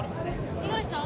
五十嵐さん！